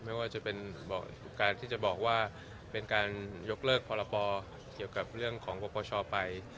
ไม่ว่าจะเป็นการที่จะบอกว่าเป็นการยกเลิกพรปเกี่ยวกับเรื่องของปปชไป